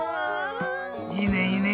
いいねいいね